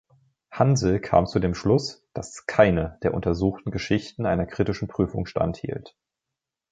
Hansel kam zu dem Schluss, dass keine der untersuchten Geschichten einer kritischen Prüfung standhielt.